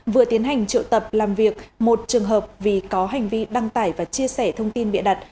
vừa tiến hành triệu tập làm việc một trường hợp vì có hành vi đăng tải và chia sẻ thông tin bịa đặt